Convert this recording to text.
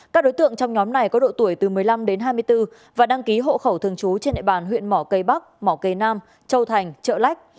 các đối tượng trong nhóm này có độ tuổi từ một mươi năm đến hai mươi bốn và đăng ký hộ khẩu thường trú trên địa bàn huyện mỏ cây bắc mỏ kề nam châu thành chợ lách